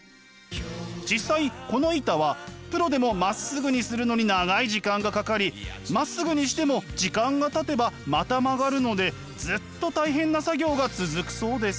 実際この板はプロでもまっすぐにするのに長い時間がかかりまっすぐにしても時間がたてばまた曲がるのでずっと大変な作業が続くそうです。